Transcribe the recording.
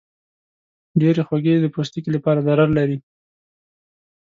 ډېرې خوږې د پوستکي لپاره ضرر لري.